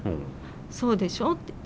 「そうでしょ」って言って。